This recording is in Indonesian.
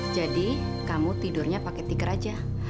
jadi kamu tidurnya pakai tikar aja